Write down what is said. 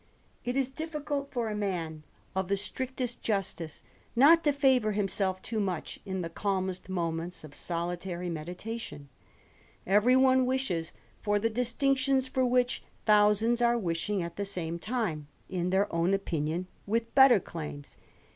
It is difficult for a man of the strictest justice not to favour himself too much, in the calmest moments of solitary meditation. Every one wishes for the distinctions for which thousands are wishing at the same time, in their own opinion, with better claims.